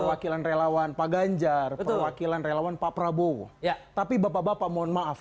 perwakilan relawan pak ganjar perwakilan relawan pak prabowo ya tapi bapak bapak mohon maaf